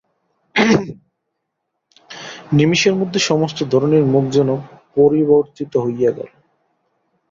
নিমেষের মধ্যে সমস্ত ধরণীর মুখ যেন পরিবর্তিত হইয়া গেল।